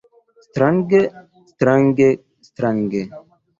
Strange, strange, strange.